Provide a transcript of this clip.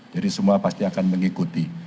jadi semua pasti akan mengikuti